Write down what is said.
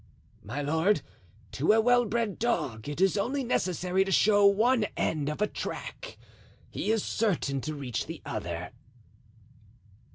"My lord, to a well bred dog it is only necessary to show one end of a track; he is certain to reach the other."